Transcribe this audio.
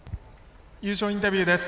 優勝インタビューです。